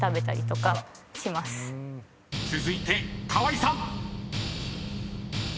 ［続いて河井さん］